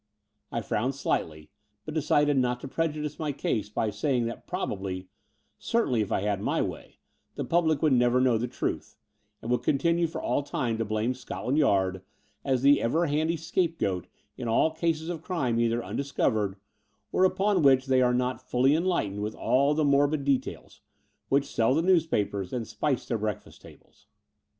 *' I frowned slightly, but decided not to prejudice my case by saying that probably — certainly if I had my way — the public would never know the truth, and would continue for all time to blame Scotland Yard as the ever handy scapegoat in all cases of crime either imdiscovered, or upon which they are not fully enlightened with all the morbid details, which sell the newspapers and spice their breakfast tables.